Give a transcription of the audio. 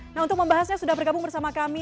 nah untuk membahasnya sudah bergabung bersama kami